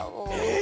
え？